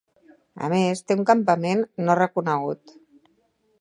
A més, té un campament no reconegut.